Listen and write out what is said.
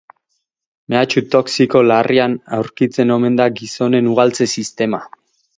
Mehatxu toxiko larrian aurkitzen omen da gizonen ugaltze sistema.